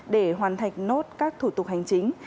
để hoàn thành nốt các thủ tục hành chính